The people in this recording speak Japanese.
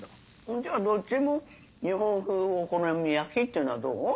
じゃあどっちも「日本風お好み焼き」ってのはどう？